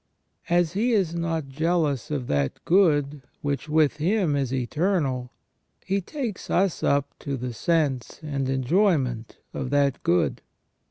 As he is not jealous of that good which with Him is eternal, He takes us up to the sense and enjoyment of that good.